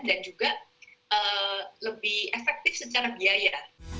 dan juga lebih efektif secara biaya